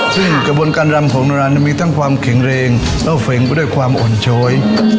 ซึ่งกระบวนการรำของโนรามีทั้งความแข็งแรงและเฟรงไปด้วยความอ่อนช้อย